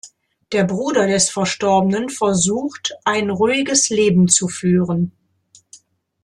Der Bruder des Verstorbenen versucht, ein ruhiges Leben zu führen.